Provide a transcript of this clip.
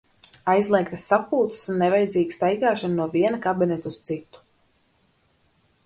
Aizliegtas sapulces un nevajadzīga staigāšana no viena kabineta uz citu.